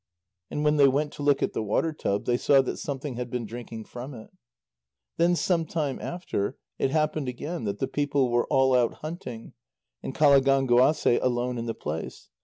And when they went to look at the water tub, they saw that something had been drinking from it. Then some time after, it happened again that the people were all out hunting, and Qalagánguasê alone in the place.